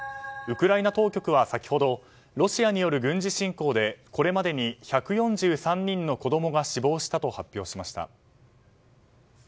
ウクライナ当局は先ほどロシアによる軍事侵攻でこれまでに１４３人の子供が死亡したと発表しました。